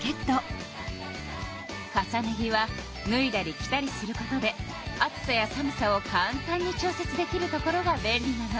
重ね着はぬいだり着たりすることで暑さや寒さをかん単に調節できるところが便利なの。